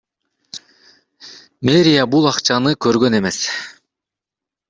Мэрия бул акчаны көргөн эмес.